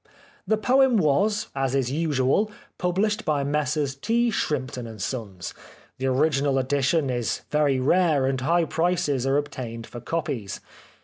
The poem was, as is usual, published by Messrs T. Shrimpton & Sens. The original edition is very rare, and high prices are obtained for copies.